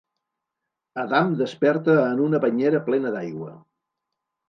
Adam desperta en una banyera plena d'aigua.